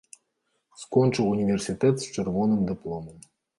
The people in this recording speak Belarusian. Скончыў універсітэт з чырвоным дыпломам.